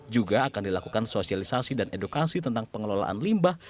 juga akan dilakukan sosialisasi dan edukasi tentang pengelolaan limbah